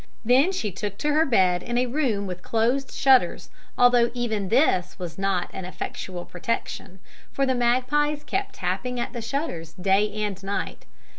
"Then she took to her bed in a room with closed shutters, although even this was not an effectual protection, for the magpies kept tapping at the shutters day and night."